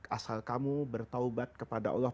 asal kamu bertaubat kepada allah